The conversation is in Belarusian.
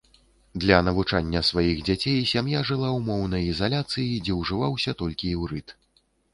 Для навучання сваіх дзяцей сям'я жыла ў моўнай ізаляцыі, дзе ўжываўся толькі іўрыт.